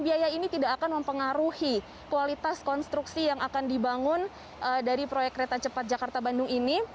biaya ini tidak akan mempengaruhi kualitas konstruksi yang akan dibangun dari proyek kereta cepat jakarta bandung ini